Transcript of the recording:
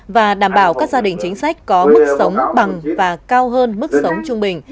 và đảm bảo các gia đình chính sách có mức sống bằng và cao hơn mức sống trung bình